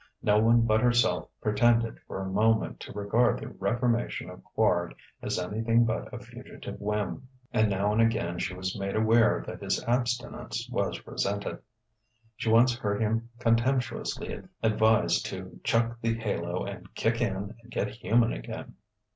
No one but herself pretended for a moment to regard the reformation of Quard as anything but a fugitive whim; and now and again she was made aware that his abstinence was resented. She once heard him contemptuously advised to "chuck the halo and kick in and get human again."